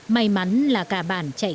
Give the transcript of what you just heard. may mắn là cả bản chạy